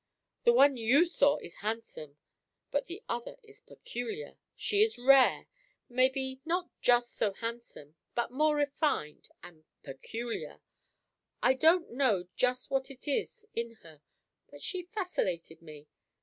The one you saw is handsome; but the other is peculiar. She is rare. Maybe not just so handsome, but more refined; and peculiar. I don't know just what it is in her; but she fascinated me.